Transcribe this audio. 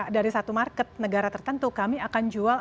dari satu market negara tertentu kami akan jual